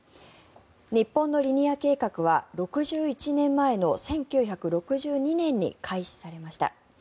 日本のリニア計画は６１年前の１９６２年に開始されました。